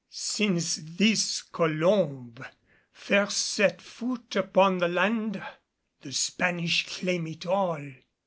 "Since this Colomb first set foot upon the land the Spanish claim it all.